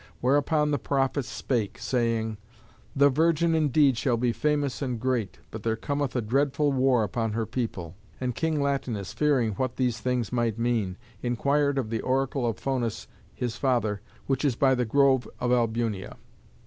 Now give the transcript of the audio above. Whereupon the prophets spake, saying, "The virgin indeed shall be famous and great, but there cometh a dreadful war upon her people." And King Latinus, fearing what these things might mean, inquired of the oracle of Faunus, his father, which is by the grove of Albunea.